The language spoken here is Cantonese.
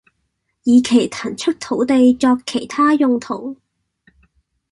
以期騰出土地作其他用途